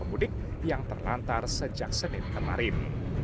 pemudik yang terlantar sejak senin kemarin